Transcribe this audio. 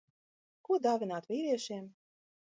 Ko dāvināt vīriešiem?